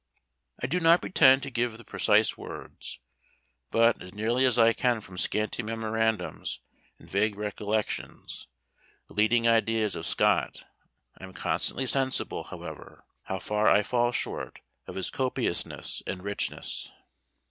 I do not pretend to give the precise words, but, as nearly as I can from scanty memorandums and vague recollections, the leading ideas of Scott. I am constantly sensible, however, how far I fall short of his copiousness and richness.